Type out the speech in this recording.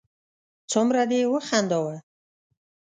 څومره دې و خنداوه